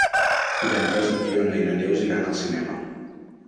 Divendres na Fiona i na Neus iran al cinema.